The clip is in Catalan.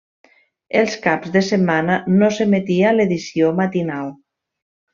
Els caps de setmana no s'emetia l'edició matinal.